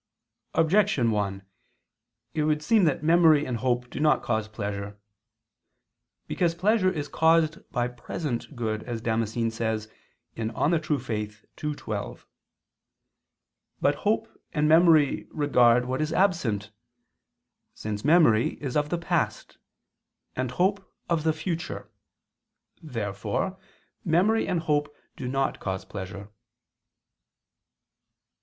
Objection 1: It would seem that memory and hope do not cause pleasure. Because pleasure is caused by present good, as Damascene says (De Fide Orth. ii, 12). But hope and memory regard what is absent: since memory is of the past, and hope of the future. Therefore memory and hope do not cause pleasure.